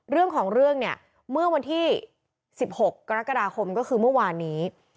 เรื่องของเรื่องเนี่ยเมื่อวันที่๑๖กรกฎาคมก็คือเมื่อวานนี้